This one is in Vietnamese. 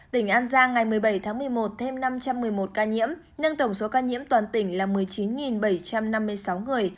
tỉnh an giang ngày một mươi bảy tháng một mươi một thêm năm trăm một mươi một ca nhiễm nâng tổng số ca nhiễm toàn tỉnh là một mươi chín bảy trăm năm mươi sáu người